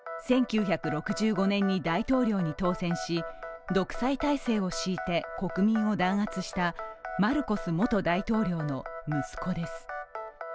１９６５年に大統領に当選し独裁体制を強いて国民を弾圧したマルコス元大統領の息子です。